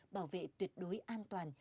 bảo vệ tuyệt đối an toàn